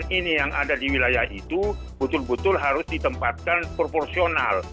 ini yang ada di wilayah itu betul betul harus ditempatkan proporsional